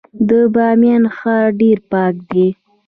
د بامیان ښار ډیر پاک دی